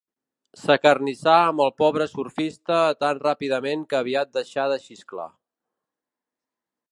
S'acarnissà amb el pobre surfista tan ràpidament que aviat deixà de xisclar.